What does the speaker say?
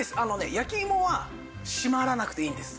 焼きいもは閉まらなくていいんです。